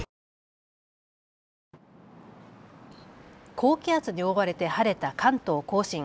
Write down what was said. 高気圧に覆われて晴れた関東甲信。